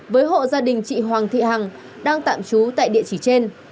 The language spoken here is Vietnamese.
với hộ gia đình chị hoàng thị hằng đang tạm trú tại địa chỉ trên